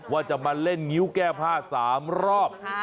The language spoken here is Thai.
ว่าจะมาเล่นงิ้วแก้ผ้า๓รอบ